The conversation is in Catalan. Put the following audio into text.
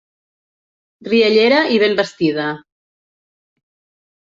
Riallera i ben vestida.